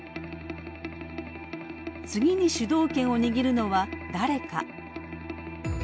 次に主導権を握るのは誰か。